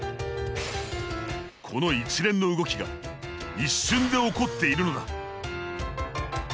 この一連の動きが一瞬で起こっているのだ。